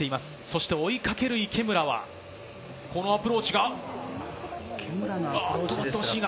そして追いかける池村は、このアプローチが。